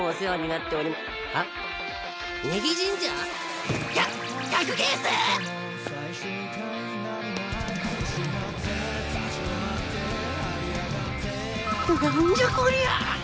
なんじゃこりゃ？